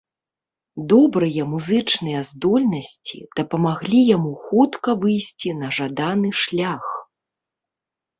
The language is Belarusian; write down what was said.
Добрыя музычныя здольнасці дапамаглі яму хутка выйсці на жаданы шлях.